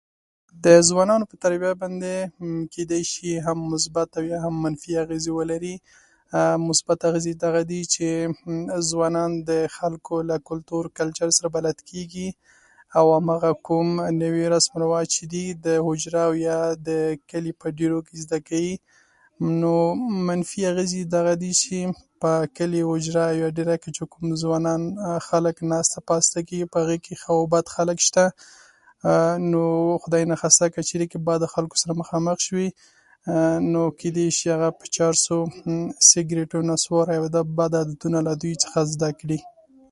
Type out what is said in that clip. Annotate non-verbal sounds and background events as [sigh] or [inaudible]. د ځوانانو تربیت باندې دې شی مثبت او یا منفي اغېزې ولري. مثبتې اغېزې یې دغه دي چې ځوانان د خلکو له کلتور او کلچر سره بلد کېږي، او هماغه کوم نوي رسم و رواج چې دي، د حجرې یا د کلي په دېرو کې زده کوي. نو منفي اغېزې یې دغه دي چې کلي، حجره یا دېره کې چې کوم ځوانان او خلک ناسته پاسته کوي، په هغه کې ښه او بد خلک شته. نو خدای ناخواسته، کله چې بدو خلکو سره خامخا شوې، نو کلي [unintelligible] په چرسو، سګرټو یا نصوارو، دغه بد عادتونه له دوی څخه زده کړي.